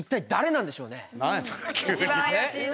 一番怪しいな。